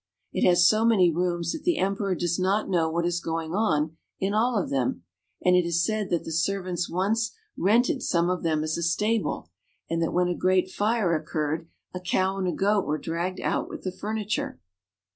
It has so many rooms that the emperor does not know what is going on in all of them ; and it is said that the servants once rented some of them as a stable, and that, 332 RUSSIA. when a great fire occurred, a cow and a goat were dragged out with the furniture.